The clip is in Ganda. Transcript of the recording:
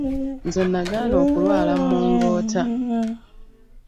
Nze nnagaana okulwala mmongoota".